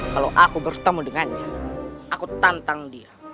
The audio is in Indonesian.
kalau aku bertemu dengannya aku tantang dia